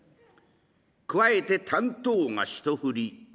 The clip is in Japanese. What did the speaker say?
加えて短刀が一振り。